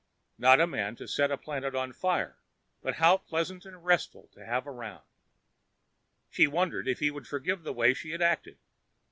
Not a man to set a planet on fire but how pleasant and restful to have around! She wondered if he would forgive the way she had acted.